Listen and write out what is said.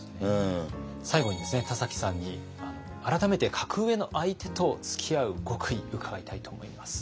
最後にですね田崎さんに改めて格上の相手とつきあう極意伺いたいと思います。